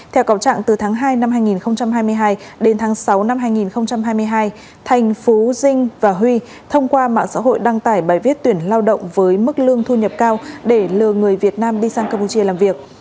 theo cầu trạng từ tháng hai năm hai nghìn hai mươi hai đến tháng sáu năm hai nghìn hai mươi hai thành phú dinh và huy thông qua mạng xã hội đăng tải bài viết tuyển lao động với mức lương thu nhập cao để lừa người việt nam đi sang campuchia làm việc